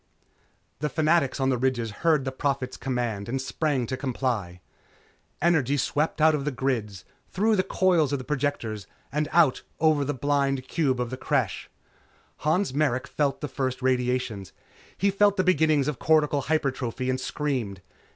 The fanatics on the ridges heard the Prophet's command and sprang to comply. Energy swept out of the grids, through the coils of the projectors and out over the blind cube of the Creche. Han Merrick felt the first radiations. He felt the beginnings of cortical hypertrophy and screamed.